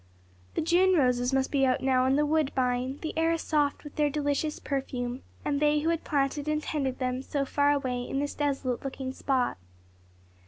The June roses must be out now and the woodbine the air sweet with their delicious perfume and they who had planted and tended them, so far away in this desolate looking spot.